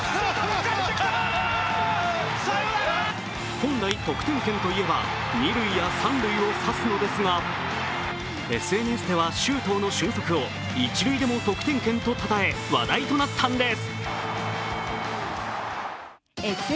本来、得点圏といえば、二塁や三塁を指すのですが、ＳＮＳでは周東の俊足を一塁でも得点圏とたたえ、話題となったんです。